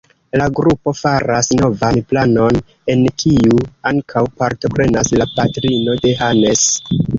La grupo faras novan planon, en kiu ankaŭ partoprenas la patrino de Hannes.